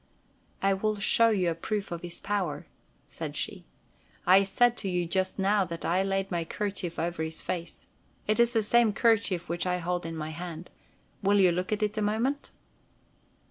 "I will show you a proof of his power," said she. "I said to you just now that I laid my kerchief over his face. It is the same kerchief which I hold in my hand. Will you look at it a moment?"